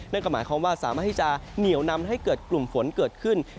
นั่นก็หมายความว่าสามารถที่จะเหนียวนำให้เกิดกลุ่มฝนเกิดขึ้น